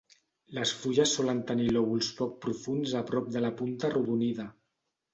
Les fulles solen tenir lòbuls poc profunds a prop de la punta arrodonida.